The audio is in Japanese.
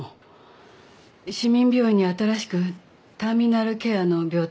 市民病院に新しくターミナルケアの病棟ができるでしょ。